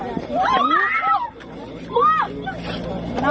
โดดมาโดดมา